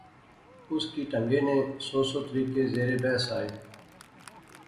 اس کی ٹہنگے نے سو سو طریقے زیر بحث آئے